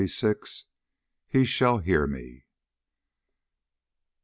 XXVI. "HE SHALL HEAR ME!"